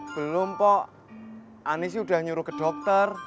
belum pok anis udah nyuruh ke dokter